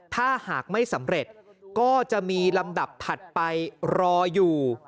ถ้าหากไม่สำเร็จก็จะมีลำดับถัดไปรออยู่